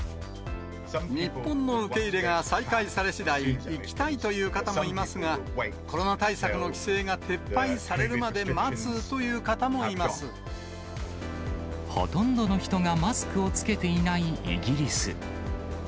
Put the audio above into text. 日本の受け入れが再開されしだい行きたいという方もいますが、コロナ対策の規制が撤廃されるまほとんどの人がマスクを着けていないイギリス。